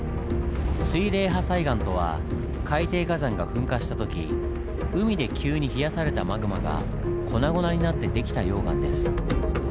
「水冷破砕岩」とは海底火山が噴火した時海で急に冷やされたマグマが粉々になって出来た溶岩です。